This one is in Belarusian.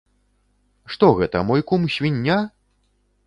Што гэта, мой кум свіння?